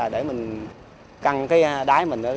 để mình căng cái đáy mình bắt cá